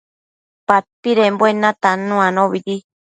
padpidembuen natannu anobidi